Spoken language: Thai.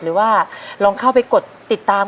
หรือว่าลองเข้าไปกดติดตาม